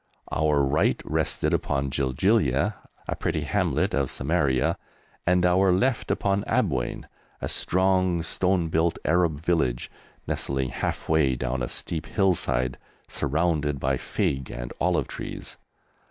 Our right rested upon Jiljilia, a pretty hamlet of Samaria, and our left upon Abwein, a strong, stone built Arab village, nestling half way down a steep hillside, surrounded by fig and olive trees.